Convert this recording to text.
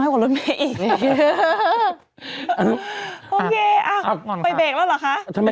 ยกเขาเองค่ะ